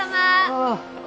ああ。